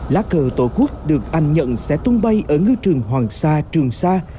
lá cờ tổ quốc được anh nhận sẽ tung bay ở ngư trường hoàng sa trường sa